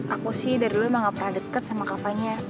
aku sih dari dulu emang gak pernah deket sama kakaknya